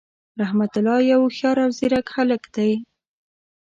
رحمت الله یو هوښیار او ځیرک هللک دی.